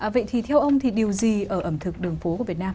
vậy thì theo ông thì điều gì ở ẩm thực đường phố của việt nam